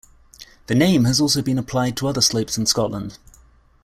The name has also been applied to other slopes in Scotland.